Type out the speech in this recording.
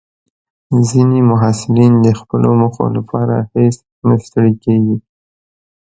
ځینې محصلین د خپلو موخو لپاره هیڅ نه ستړي کېږي.